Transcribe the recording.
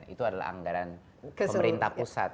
itu adalah anggaran pemerintah pusat